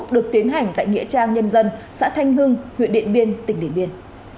được tiến hành tại nghĩa trang nhân dân xã thanh hưng huyện điện biên tỉnh điện biên